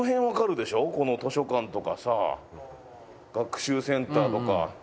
図書館とかさ学習センターとか。